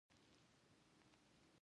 د راجا دربار وویل.